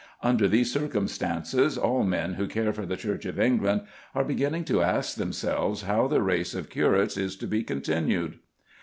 Under these circumstances, all men who care for the Church of England are beginning to ask themselves how the race of curates is to be continued.